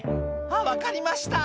「あっ分かりました」